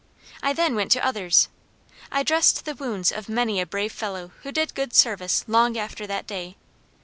I then went to others; I dressed the wounds of many a brave fellow who did good service long after that day!